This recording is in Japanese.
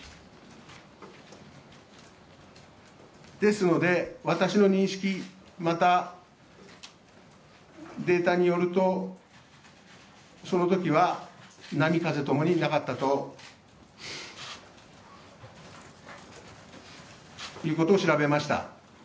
ですので、私の認識、またデータによると、そのときは波・風ともになかったということを調べました。